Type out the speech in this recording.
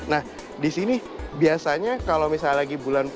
nah disini biasanya kalau misalnya lagi bulan puasa gitu